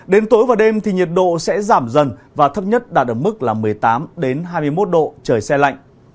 đến tối và đêm thì nhiệt độ sẽ giảm dần và thấp nhất đạt ở mức một mươi tám hai mươi một độ trời xe lạnh